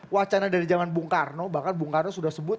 wacana dari zaman bung karno bahkan bung karno sudah sebut